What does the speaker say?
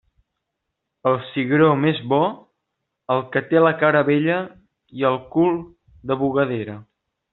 El cigró més bo, el que té la cara vella i cul de bugadera.